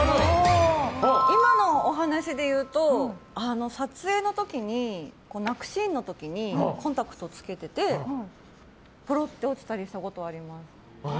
今のお話でいうと、撮影の時に泣くシーンの時にコンタクトをつけててポロって落ちたりしたことはあります。